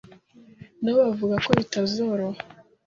Na bo bavuga ko bitazoroha